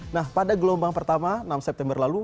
nah pada gelombang pertama enam september lalu